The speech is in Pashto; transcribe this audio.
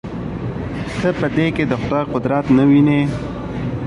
ته په دې کښې د خداى قدرت نه وينې.